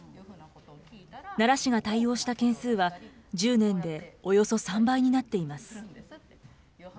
奈良市が対応した件数は１０年でおよそ３倍になっています。